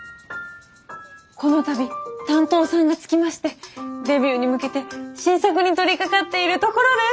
この度担当さんが付きましてデビューに向けて新作に取りかかっているところです。